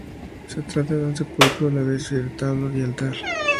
Se trata de un sepulcro a la vez retablo y altar.